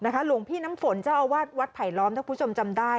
หลวงพี่น้ำฝนเจ้าอาวาสวัดไผลล้อมถ้าคุณผู้ชมจำได้